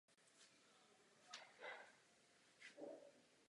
Ale je to přesně ten případ.